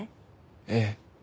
ええ。